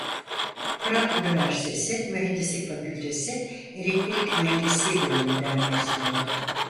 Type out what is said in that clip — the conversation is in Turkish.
Fırat Üniversitesi Mühendislik Fakültesi Elektrik Mühendisliği Bölümü'nden mezun oldu.